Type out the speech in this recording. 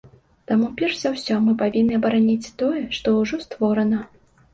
Таму перш за ўсё мы павінны абараніць тое, што ўжо створана.